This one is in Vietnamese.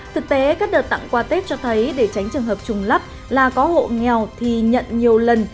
thực tế các đợt tặng quà tết cho thấy để tránh trường hợp trùng lắp là có hộ nghèo thì nhận nhiều lần